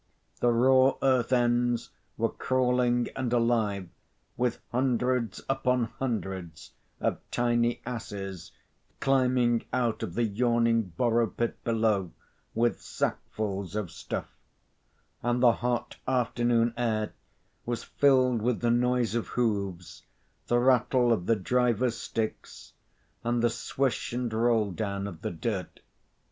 The raw earth ends were crawling and alive with hundreds upon hundreds of tiny asses climbing out of the yawning borrow pit below with sackfuls of stuff; and the hot afternoon air was filled with the noise of hooves, the rattle of the drivers' sticks, and the swish and roll down of the dirt.